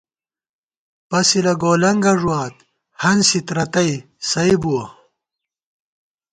پَسِلہ گولَنگہ ݫُوات ، ہنسِت رتئ سَئ بُوَہ